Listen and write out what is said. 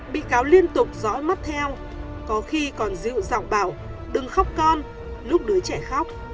bị cáo liên tục dõi mắt theo có khi còn dịu giọng bảo đừng khóc con lúc đứa trẻ khóc